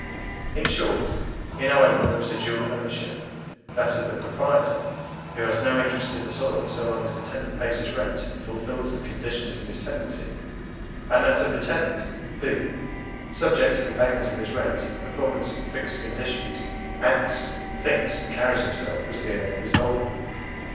In short, in Ireland there is a dual ownership that of the proprietor, who has no interest in the soil so long as the tenant pays his rent and fulfils the conditions of his tenancy; and that of the tenant, who, subject to the payment of his rent and performance of the fixed conditions, acts, thinks, and carries himself as the owner of his holding.